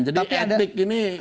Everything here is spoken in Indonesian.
jadi etik ini